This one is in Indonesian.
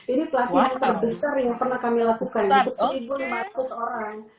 ini pelatihan terbesar yang pernah kami lakukan untuk satu lima ratus orang